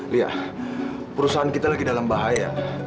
lihat perusahaan kita lagi dalam bahaya